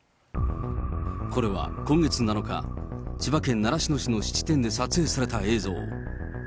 これは今月７日、千葉県習志野市の質店で撮影された映像。